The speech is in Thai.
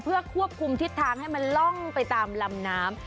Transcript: เพื่อควบคุมทิศทางให้มันล่องไปตามลำน้ำ